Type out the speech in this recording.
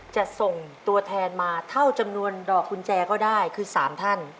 จะส่งตัวแทนมาเท่าจำนวนดอกกุญแจก็ได้คือ๓ท่าน